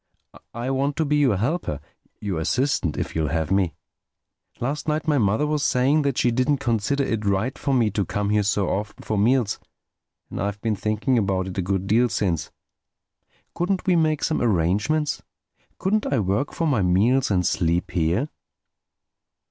I want to be your helper—your assistant, if you'll have me. Last night my mother was saying that she didn't consider it right for me to come here so often for meals. And I've been thinking about it a good deal since. Couldn't we make some arrangement—couldn't I work for my meals and sleep here?"